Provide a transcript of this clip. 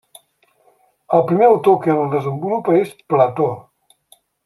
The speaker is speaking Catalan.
El primer autor que el desenvolupa és Plató.